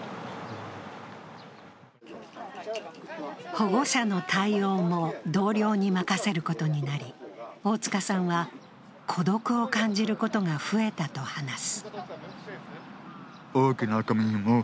保護者の対応も同僚に任せることになり、大塚さんは孤独を感じることが増えたと話す。